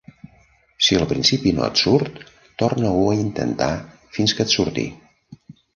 Si al principi no et surt, torna-ho a intentar fins que et surti.